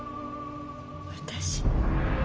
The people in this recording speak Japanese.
私？